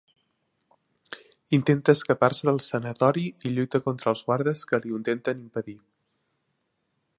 Intenta escapar-se del sanatori i lluita contra els guardes que li ho intenten impedir.